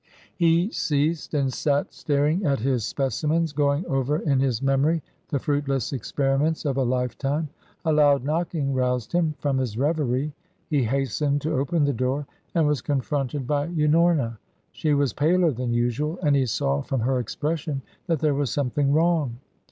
He ceased and sat staring at his specimens, going over in his memory the fruitless experiments of a lifetime. A loud knocking roused him from his reverie. He hastened to open the door and was confronted by Unorna. She was paler than usual, and he saw from her expression that there was something wrong.